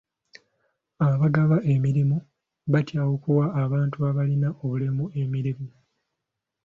Abagaba emirimu batya okuwa abantu abalina obulemu emirimu.